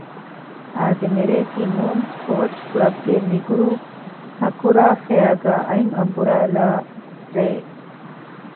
އާދެ! މިރެއަކީ މޫން ސްޕޯރޓްސް ކްލަބްގެ މިގްރޫޕް ހަކުރާފެއަރގައި އަތްއަނބުރާލާ ރެއެއް